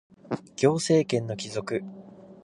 行政権の帰属